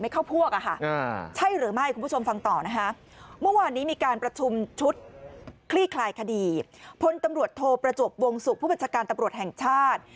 คลี่คลายคดีพลตำรวจโทรประจวบวงสุขผู้บัญชาการตำรวจแห่งชาติ